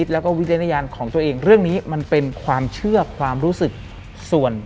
หลังจากนั้นเราไม่ได้คุยกันนะคะเดินเข้าบ้านอืม